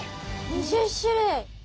２０種類！